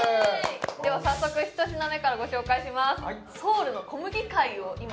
では早速１品目からご紹介します